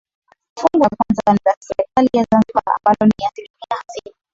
Fungu la kwanza ni la serikali ya zanzibar ambalo ni asilimia hamsini